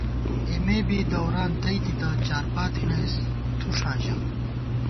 اېمےبی دوران تئی تِتہ، چارپا تھنَئیس تھُݭاں ژَہ